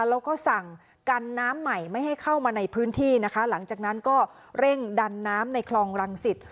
แล้วก็สั่งกันน้ำใหม่ไม่ให้เข้ามาในพื้นที่นะคะหลังจากนั้นก็เร่งดันน้ำในคลองรังสิต